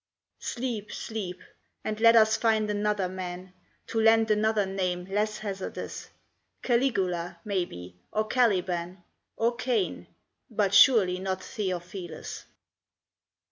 Sleep sleep; and let us find another man To lend another name less hazardous: Caligula, maybe, or Caliban, Or Cain, but surely not Theophilus.